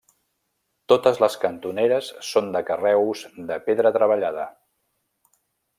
Totes les cantoneres són de carreus de pedra treballada.